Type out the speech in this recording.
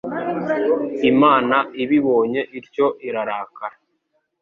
Imana ibibonye ityo irarakara